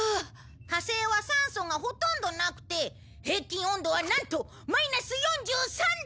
火星は酸素がほとんどなくて平均温度はなんとマイナス４３度！